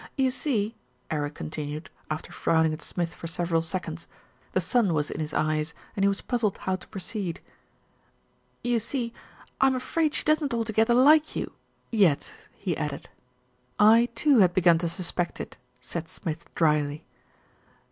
"You see," Eric continued, after frowning at Smith for several seconds, the sun was in his eyes and he was puzzled how to proceed. "You see, I'm afraid she doesn't altogether like you yet," he added. "I too had begun to suspect it," said Smith drily.